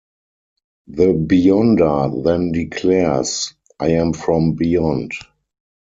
The Beyonder then declares: I am from beyond!